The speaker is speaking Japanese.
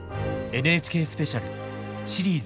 ＮＨＫスペシャルシリーズ